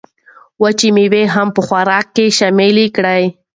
وچه مېوه هم په خوراک کې شامله کړئ.